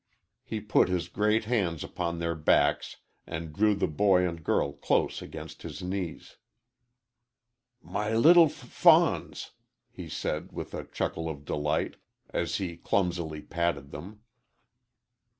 He put his great hands upon their backs and drew the boy and girl close against his knees. "My leetle f fawns!" he said, with a chuckle of delight, as he clumsily patted them.